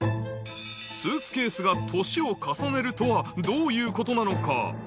スーツケースが年を重ねるとはどういうことなのか？